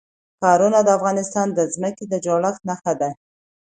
ښارونه د افغانستان د ځمکې د جوړښت نښه ده.